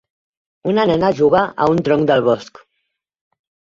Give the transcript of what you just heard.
Una nena juga a un tronc del bosc.